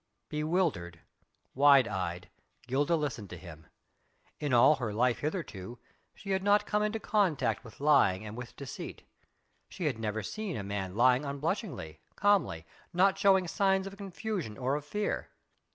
Bewildered, wide eyed, Gilda listened to him. In all her life hitherto, she had never come into contact with lying and with deceit: she had never seen a man lying unblushingly, calmly, not showing signs of confusion or of fear.